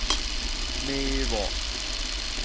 孭鑊